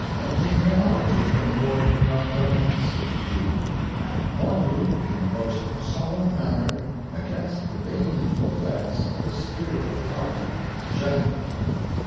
ŌĆö Let me now take a more comprehensive view, and warn you in the most solemn manner against the baneful effects of the Spirit of Party, generally.